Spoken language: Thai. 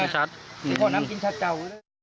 พอน้ำกินชัดเจ๋า